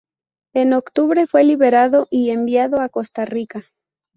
En octubre fue liberado y enviado a Costa Rica.